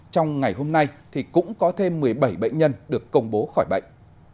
trong ngày hôm nay thì cũng có thêm một mươi bảy bệnh nhân được công bố khỏi bệnh